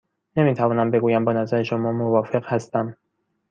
نمی توانم بگویم با نظر شما موافق هستم.